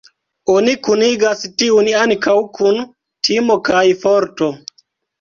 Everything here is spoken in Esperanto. Oni kunigas tiun ankaŭ kun timo kaj forto.